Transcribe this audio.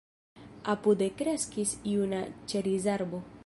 Apude kreskis juna ĉerizarbo.